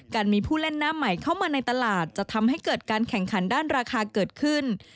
การมีผู้เล่นหน้าใหม่เข้ามาในตลาดจะทำให้เกิดการแข่งขันด้านราคาเกิดขึ้น